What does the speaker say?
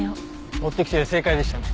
持ってきて正解でしたね。